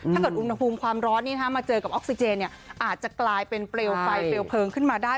ถ้าเกิดอุณหภูมิความร้อนมาเจอกับออกซิเจนอาจจะกลายเป็นเปลวไฟเปลวเพลิงขึ้นมาได้